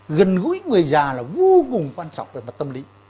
gần gũi người già là vô cùng quan trọng về mặt tâm lý